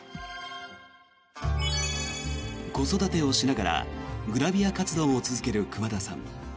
子育てをしながらグラビア活動を続ける熊田さん。